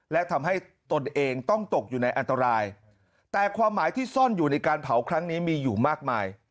และทำให้ตนเองต้องตกอยู่ในอันตรายแต่ความหมายที่ซ่อนอยู่ในการเผาครั้งนี้มีอยู่มากมาย